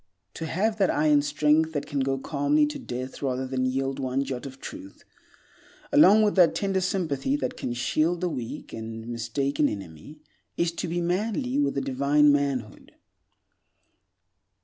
To have that iron strength that can go calmly to death rather than yield one jot of truth, along with that tender sympathy that can shield the weak and mistaken enemy, is to be manly with a divine manhood.